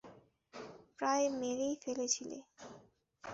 প্রায় মেরেই ফেলেছিলে?